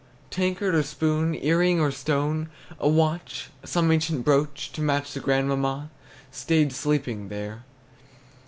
Tankard, or spoon, Earring, or stone, A watch, some ancient brooch To match the grandmamma, Staid sleeping there.